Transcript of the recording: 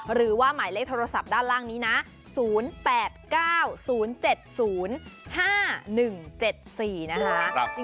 หมายเลขโทรศัพท์ด้านล่างนี้นะ๐๘๙๐๗๐๕๑๗๔นะคะ